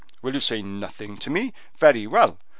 You will say nothing to me? Very well!